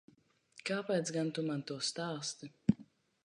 Kāpēc gan Tu man to stāsti?